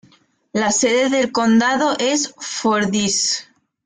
La sede del condado es Fordyce.